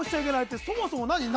そもそも何？